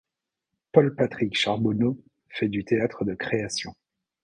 Paul-Patrick Charbonneau fait du théâtre de création.